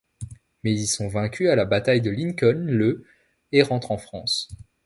Mais ils sont vaincus à la bataille de Lincoln, le et rentrent en France.